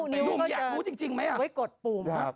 นิ้วอยากรู้จริงไหม